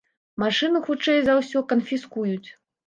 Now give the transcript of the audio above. Машыну хутчэй за ўсё канфіскуюць.